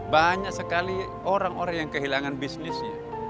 banyak sekali orang orang yang kehilangan bisnisnya